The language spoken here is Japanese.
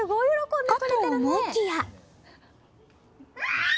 かと思いきや。